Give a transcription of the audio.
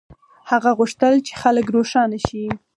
هغه غوښتل چې خلک روښانه شي.